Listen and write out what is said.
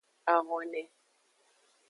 Ahone.